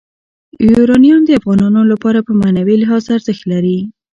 یورانیم د افغانانو لپاره په معنوي لحاظ ارزښت لري.